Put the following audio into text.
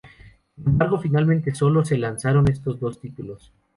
Sin embargo, finalmente sólo se lanzaron estos dos títulos.